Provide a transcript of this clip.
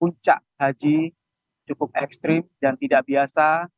puncak haji cukup ekstrim dan tidak biasa